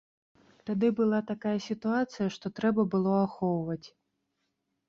Тады была такая сітуацыя, што трэба было ахоўваць.